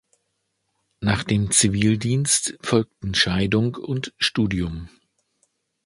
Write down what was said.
Nach dem Zivildienst folgten Scheidung und Studium.